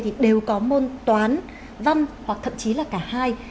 thì đều có môn toán văn hoặc thậm chí là cả hai